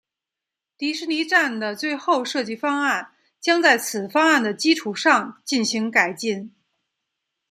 迪士尼站的最后设计方案将在此方案的基础上进行改进。